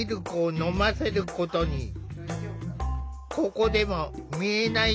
ここでも見えない